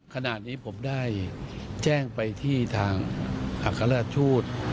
ขณะนี้ผมได้แจ้งไปที่ทางอัครราชทูต